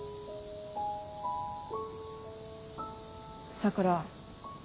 桜。